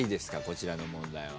こちらの問題は。